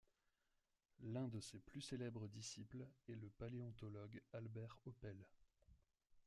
L'un de ses plus célèbres disciples est le paléontologue Albert Oppel.